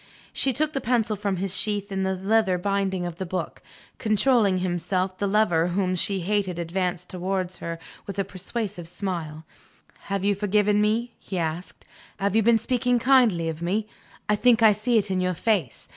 She took the pencil from its sheath in the leather binding of the book. Controlling himself, the lover whom she hated advanced towards her with a persuasive smile. "Have you forgiven me?" he asked. "Have you been speaking kindly of me? I think I see it in your face.